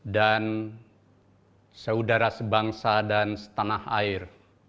dan saudara sebangsa dan setanah air